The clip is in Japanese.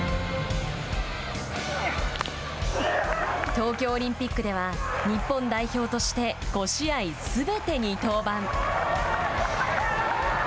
東京オリンピックでは日本代表として５試合すべてに登板。